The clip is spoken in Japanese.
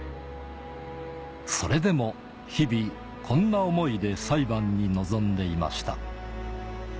それでも日々こんな思いで裁判に臨んでいました